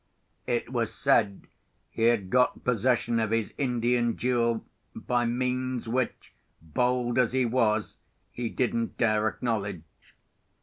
It was said he had got possession of his Indian jewel by means which, bold as he was, he didn't dare acknowledge.